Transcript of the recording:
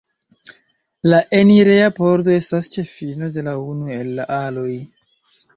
La enireja pordo estas ĉe fino de unu el la aloj.